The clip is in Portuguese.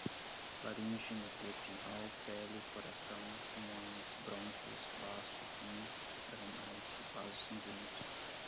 laringe, medula espinhal, pele, coração, pulmões, brônquios, baço, rins, suprarrenais, vasos sanguíneos